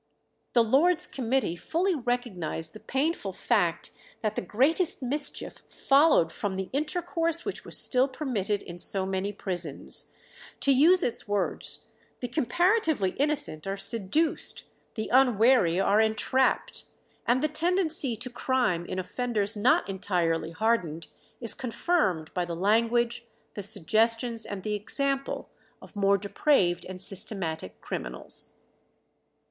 The Lords' Committee fully recognized the painful fact that the greatest mischief followed from the intercourse which was still permitted in so many prisons; to use its words, "the comparatively innocent are seduced, the unwary are entrapped, and the tendency to crime in offenders not entirely hardened is confirmed by the language, the suggestions, and the example of more depraved and systematic criminals."